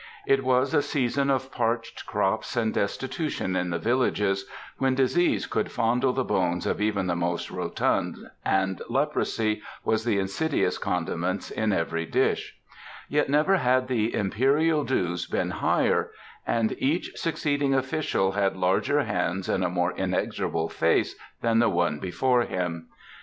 It was a season of parched crops and destitution in the villages, when disease could fondle the bones of even the most rotund and leprosy was the insidious condiment in every dish; yet never had the Imperial dues been higher, and each succeeding official had larger hands and a more inexorable face than the one before him.